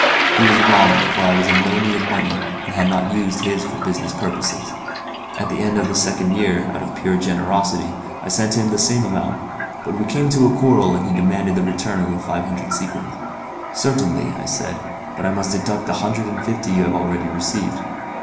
He was wrong, for I was in no need of money, and had not used his for business purposes. At the end of the second year, out of pure generosity, I sent him the same amount; but we came to a quarrel and he demanded the return of the five hundred sequins. 'Certainly,' I said, 'but I must deduct the hundred and fifty you have already received.